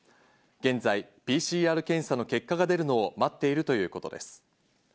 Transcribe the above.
現在、ＰＣＲ検査の結果が出るのを待っているということです。